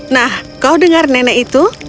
nah kau dengar nenek itu